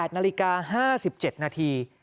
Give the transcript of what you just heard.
๘นาฬิกา๕๗นาที